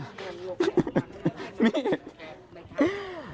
นี่